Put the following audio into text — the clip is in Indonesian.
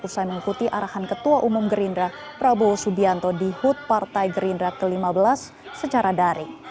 usai mengikuti arahan ketua umum gerindra prabowo subianto di hut partai gerindra ke lima belas secara daring